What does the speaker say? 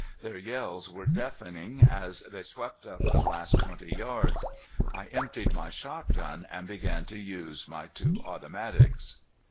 Their yells were deafening as they swept up the last twenty yards. I emptied my shotgun and began to use my two automatics.